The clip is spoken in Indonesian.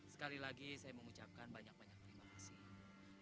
sekali lagi saya mengucapkan banyak banyak terima kasih